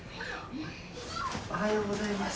おはようございます。